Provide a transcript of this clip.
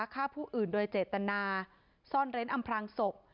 ฆ่าผู้อื่นโดยเจตนาซ่อนเร้นอำพลางศพ